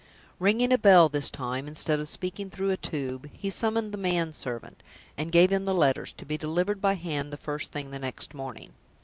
Ringing a bell this time, instead of speaking through a tube, he summoned the man servant, and gave him the letters, to be delivered by hand the first thing the next morning.